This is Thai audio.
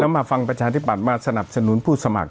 มาฟังประชาธิบัตย์มาสนับสนุนผู้สมัคร